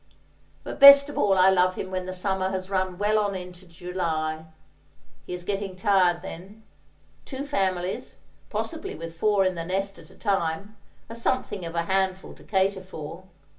But best of all I love him when the summer has run well on into July. He is getting tired then; two families—possibly with four in the nest at a time—are something of a handful to cater for.